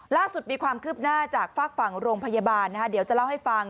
ล่าสุดมีความคืบหน้าจากฝากฝั่งโรงพยาบาลเดี๋ยวจะเล่าให้ฟัง